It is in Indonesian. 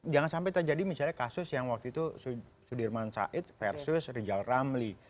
jangan sampai terjadi misalnya kasus yang waktu itu sudirman said versus rizal ramli